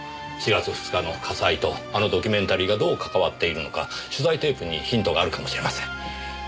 ４月２日の火災とあのドキュメンタリーがどうかかわっているのか取材テープにヒントがあるかもしれません。